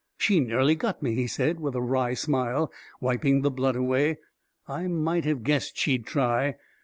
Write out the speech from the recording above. " She nearly got me," he said, with a wry smile, wiping the blood away. " I might have guessed she'd try!